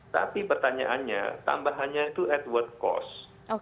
tapi pertanyaannya tambahannya itu at what cost